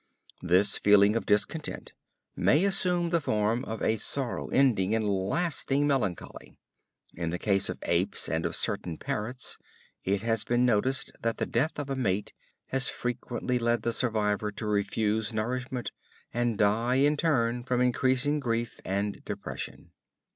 This feeling of discontent may assume the form of a sorrow ending in lasting melancholy. In the case of apes and of certain parrots, it has been noticed that the death of a mate has frequently led the survivor to refuse nourishment, and die in turn from increasing grief and depression.